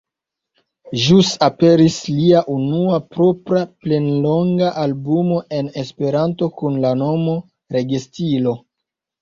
Ĵus aperis lia unua propra plenlonga albumo en Esperanto kun la nomo Regestilo.